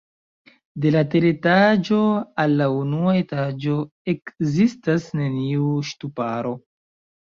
De la teretaĝo al la unua etaĝo ekzistas neniu ŝtuparo.